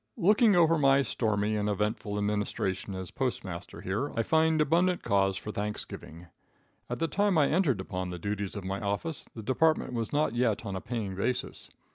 Looking over my stormy and eventful administration as postmaster here, I find abundant cause for thanksgiving. At the time I entered upon the duties of my office the department was not yet on a paying basis.